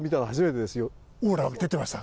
オーラ出てました？